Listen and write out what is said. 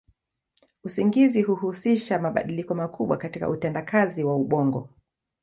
Usingizi huhusisha mabadiliko makubwa katika utendakazi wa ubongo.